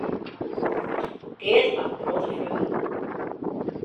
Geart hat in protte freonen.